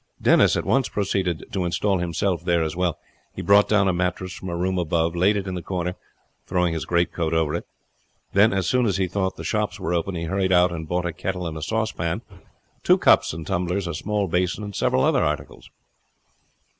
Denis at once proceeded to install himself there. He brought down a mattress from a room above, laid it in the corner, throwing his greatcoat over it, then as soon as he thought the shops were open he hurried out and bought a kettle and saucepan, two cups and tumblers, a small basin, and several other articles.